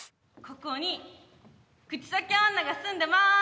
ここに口裂け女が住んでます。